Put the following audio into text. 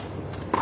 あ！